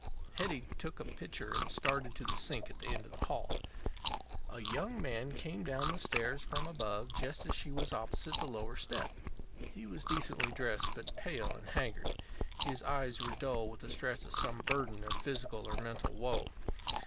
Hetty took a pitcher and started to the sink at the end of the hall. A young man came down the stairs from above just as she was opposite the lower step. He was decently dressed, but pale and haggard. His eyes were dull with the stress of some burden of physical or mental woe.